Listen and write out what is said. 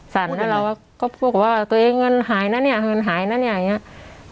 สั่นแล้วเราก็พูดว่าตัวเองเงินหายนะเนี่ยเงินหายนะเนี่ยอย่างนี้